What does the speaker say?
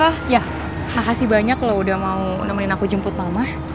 wah ya makasih banyak loh udah mau nemenin aku jemput mama